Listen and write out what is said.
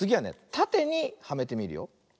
たてにはめてみるよ。